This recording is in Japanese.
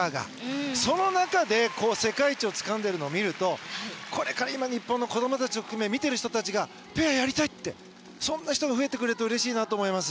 その中で世界一をつかんでいるのを見るとこれから日本の子供たち含め見てている人がやってみたいとそんな人が増えてくれるとうれしいなと思います。